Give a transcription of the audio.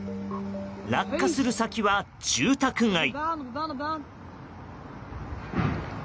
落下する先は住宅街。